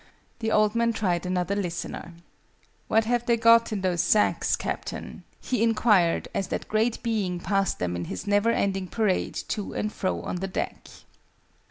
The old man tried another listener. "What have they got in those sacks, Captain?" he inquired, as that great being passed them in his never ending parade to and fro on the deck.